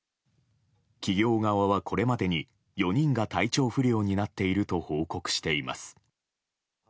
企業側は、これまでに４人が体調不良になっていると報告しています。